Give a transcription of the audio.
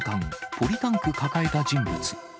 ポリタンク抱えた人物。